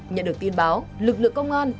nhận được tin báo lực lượng công an